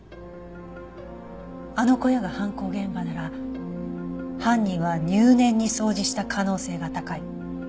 あの小屋が犯行現場なら犯人は入念に掃除した可能性が高い。